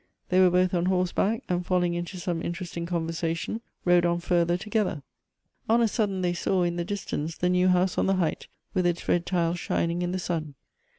They were both on horseback, and falling into some interesting conversation, rode on further together. On a sudden they saw, in the distance, the new house on the height, with its red tiles shining in the sun.